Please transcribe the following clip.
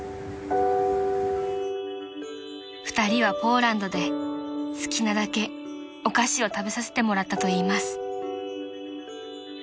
［２人はポーランドで好きなだけお菓子を食べさせてもらったといいます］